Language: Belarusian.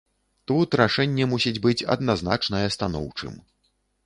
Тут рашэнне мусіць быць адназначнае станоўчым.